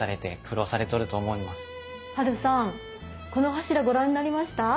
ハルさんこの柱ご覧になりました？